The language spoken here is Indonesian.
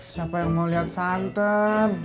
siapa yang mau lihat santan